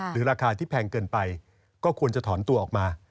ราคาที่แพงเกินไปก็ควรจะถอนตัวออกมา